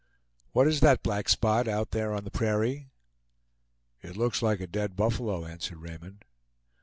"What is that black spot out there on the prairie?" "It looks like a dead buffalo," answered Raymond.